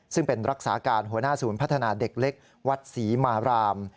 ซึ่งเป็นรักษาการหัวหน้าศูนย์พัฒนาเด็กเล็กวัดศรีมาราม